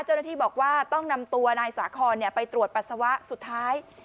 เจ้าหน้าที่บอกว่าต้องนำตัวนายสาคอนไปตรวจปัสสาวะสุดท้าย